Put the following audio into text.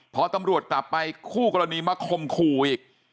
พอตำรวจกลับไปคู่กรณีมาคมขู่อีก